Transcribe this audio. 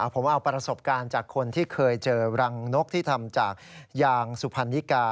ผมเอาประสบการณ์จากคนที่เคยเจอรังนกที่ทำจากยางสุพรรณิกา